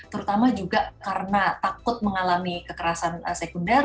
terutama juga karena takut mengalami kekerasan sekunder